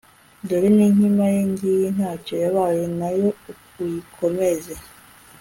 dore n'inkima ye ngiyi nta cyo yabaye na yo uyikomeze